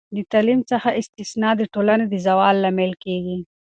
د تعلیم څخه استثنا د ټولنې د زوال لامل کیږي.